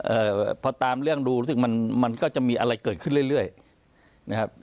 เอ่อพอตามเรื่องดูรู้สึกมันมันก็จะมีอะไรเกิดขึ้นเรื่อยเรื่อยนะครับ